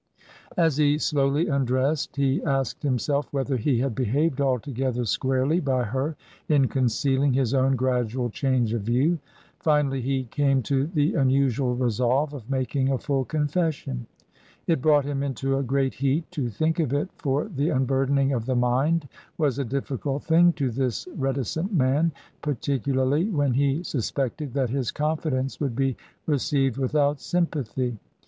As he slowly undressed he asked himself whether he had behaved altogether squarely by her in concealing his own gradual change of view ; finally, he came to the unusual resolve of making a full confession. It brought him into a great heat to think of it, for the unburdening of the mind was a difficult thing to this reticent man, particularly when he suspected that his confidence would be received without sympathy.